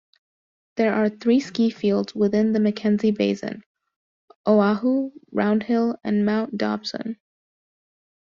There are three skifields within the MacKenzie Basin; Ohau, Round Hill, and Mount Dobson.